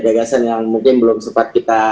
gagasan yang mungkin belum sempat kita